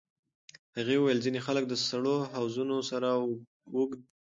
هغې وویل ځینې خلک د سړو حوضونو سره اوږد پاتې کېږي.